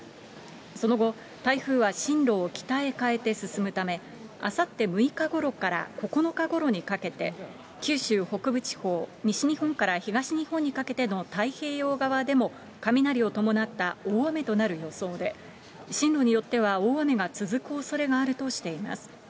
その後、台風は進路を北へ変えて進むため、あさって６日ごろから９日ごろにかけて、九州北部地方、西日本から東日本にかけての太平洋側でも雷を伴った大雨となる予想で、進路によっては大雨が続くおそれがあるとしています。